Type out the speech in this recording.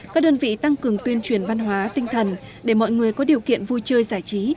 các đơn vị tăng cường tuyên truyền văn hóa tinh thần để mọi người có điều kiện vui chơi giải trí